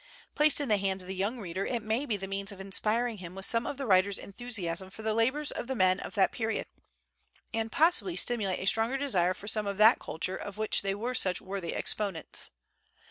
Placed in the hands of the young reader, it may be the means of inspiring him with some of the writer's enthusiasm for the labors of the men of that period, and possibly stimulate a stronger desire for some of that culture of which they were such worthy exponents.